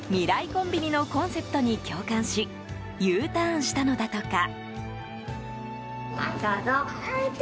コンビニのコンセプトに共感しＵターンしたのだとか。